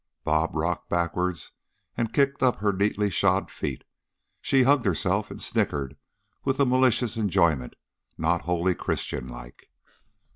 "Bob" rocked backward and kicked up her neatly shod feet; she hugged herself and snickered with a malicious enjoyment not wholly Christian like.